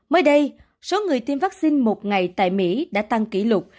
mới đây số người tiêm vaccine một ngày tại mỹ đã tăng kỷ lục